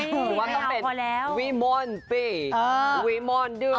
หรือว่าเป็นวิมลปีวิมลเดือน